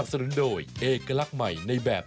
โอเคอเล็กจอยนะครับ